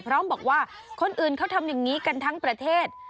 พร้อมบอกว่าคนอื่นเขาทำอย่างนี้กันทั้งประเทศ